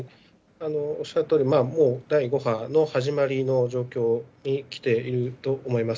おっしゃるとおり、もう第５波の始まりの状況に来ていると思います。